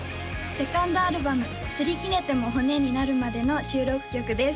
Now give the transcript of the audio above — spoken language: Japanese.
２ｎｄアルバム「擦り切れても骨になるまで」の収録曲です